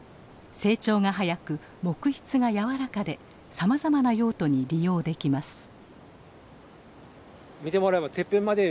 成長が早く木質がやわらかでさまざまな用途に利用できます。